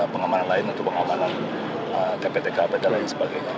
pengemanan lain untuk pengemanan tptk pt lain sebagainya